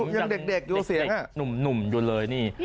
ยังเด็กอยู่เสียงหนุ่มอยู่เลยนี่